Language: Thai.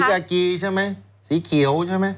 ยากีใช่ไหมสีเขียวใช่ไหม